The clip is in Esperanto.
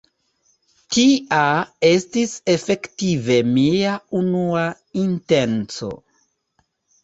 Tia estis efektive mia unua intenco.